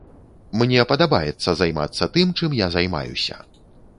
Мне падабаецца займацца тым, чым я займаюся.